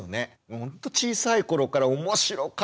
ほんと小さい頃から「面白かった！」